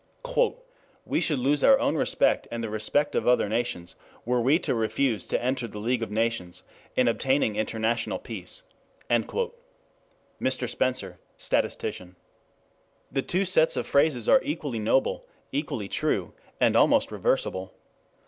"We should lose our own respect and the respect of other nations were we to refuse to enter the League of Nations in obtaining international peace." Mr. Spencer , statistician. The two sets of phrases are equally noble, equally true, and almost reversible.